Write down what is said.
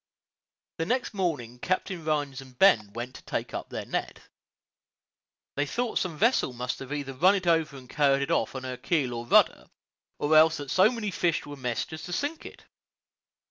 The next morning Captain Rhines and Ben went to take up their net. They thought some vessel must either have run over it and carried it off on her keel or rudder, or else that so many fish were meshed as to sink it.